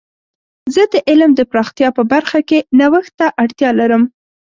زه د علم د پراختیا په برخه کې نوښت ته اړتیا لرم.